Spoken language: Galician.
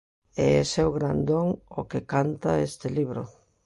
E ese é o gran don ao que canta este libro.